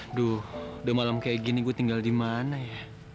aduh udah malam kayak gini gue tinggal di mana ya